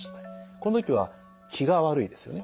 この時は気が悪いですよね。